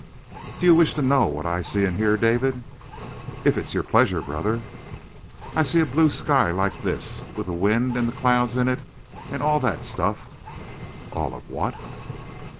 "Do you wish to know what I see and hear, David?" "If it is your pleasure, brother." "I see a blue sky like this, with the wind and the clouds in it and all that stuff " "All of what?"